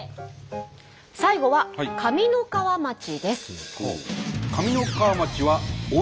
最後は上三川町です。